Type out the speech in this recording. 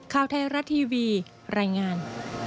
ข่าวไทยรัฐทีวีรายงาน